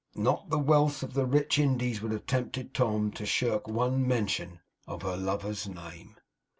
Not the wealth of the rich Indies would have tempted Tom to shirk one mention of her lover's name.